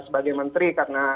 sebagai menteri karena